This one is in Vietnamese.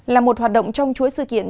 là một hoạt động trong chuỗi sự kiện